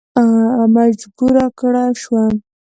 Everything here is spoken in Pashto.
مجبور کړه شو.